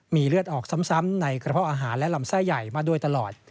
มีเลือดออกซ้ำในกระเพาะอาหารและลำไส้ใหญ่มาโดยตลอด